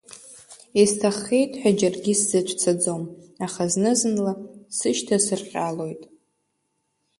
Исҭаххеит ҳәа џьаргьы сзацәцаӡом, аха зны-зынла сышьҭа сырҟьалоит!